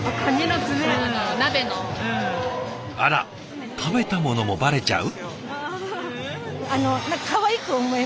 あら食べたものもバレちゃう？